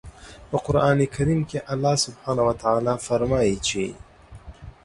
په قرآن کریم کې الله سبحانه وتعالی فرمايي چې